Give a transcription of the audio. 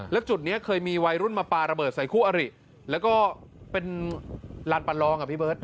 แล้วจุดนี้เคยมีวัยรุ่นมาปลาระเบิดใส่คู่อริแล้วก็เป็นลานประลองอ่ะพี่เบิร์ต